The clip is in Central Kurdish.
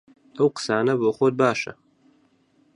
ئەو قسانە بۆ خۆت باشە!